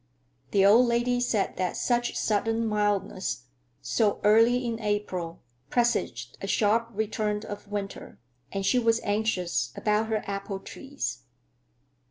The old lady said that such sudden mildness, so early in April, presaged a sharp return of winter, and she was anxious about her apple trees.